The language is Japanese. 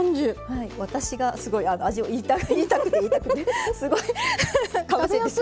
はい私がすごい味を言いたくて言いたくてすごいかぶせて。